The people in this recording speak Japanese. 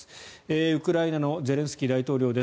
ウクライナのゼレンスキー大統領です。